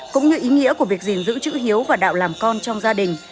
cũng như ý nghĩa của việc gìn giữ chữ hiếu và đạo làm con trong gia đình